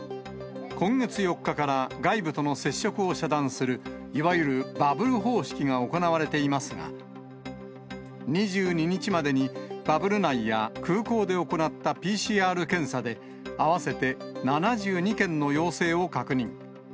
今月４日から外部との接触を遮断する、いわゆるバブル方式が行われていますが、２２日までに、バブル内や空港で行ったＰＣＲ検査で、合わせて７２件の陽性を確認。